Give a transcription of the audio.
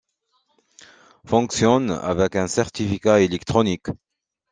Fonctionne avec un certificat électronique.